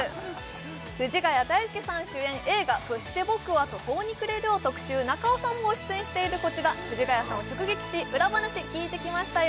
藤ヶ谷太輔さん主演映画「そして僕は途方に暮れる」を特集中尾さんも出演しているこちら藤ヶ谷さんを直撃し裏話聞いてきましたよ